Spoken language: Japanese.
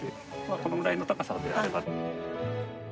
このぐらいの高さであれば。